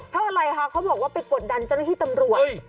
เพราะอะไรคะเขาบอกว่าไปกดดันเจ้าหน้าที่ตำรวจ